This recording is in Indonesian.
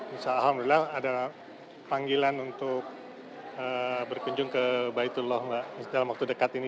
insya allah ada panggilan untuk berkunjung ke baitullah dalam waktu dekat ini